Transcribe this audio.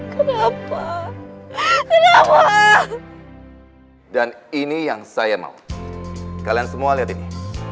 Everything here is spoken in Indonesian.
kenapa dan ini yang saya mau kalian semua lihat ini